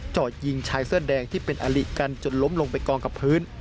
จอดยิงชายเสื้อแดงที่เป็นอลิกันจนล้มลงไปกองกับพื้น